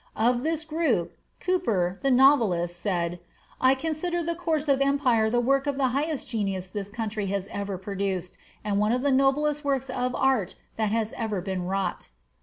Of this group, Cooper, the novelist, said, "I consider the 'Course of Empire' the work of the highest genius this country has ever produced, and one of the noblest works of art that has ever been wrought."